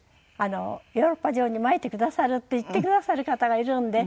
ヨーロッパ中にまいてくださるって言ってくださる方がいるので。